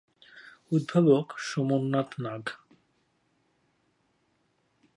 উদ্ভাবক সোমনাথ নাগ।